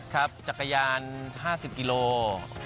ครับจักรยาน๕๐กิโล